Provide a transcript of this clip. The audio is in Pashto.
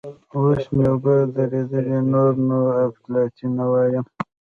اوس مې اوبه ودرېدلې؛ نور نو اپلاتي نه وایم.